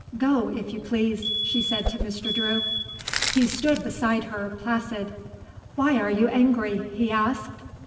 "Go, if you please," she said to Mr. Drew. He stood beside her, placid. "Why are you angry?" he asked.